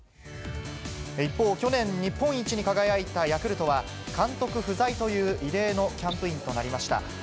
一方、去年、日本一に輝いたヤクルトは、監督不在という異例のキャンプインとなりました。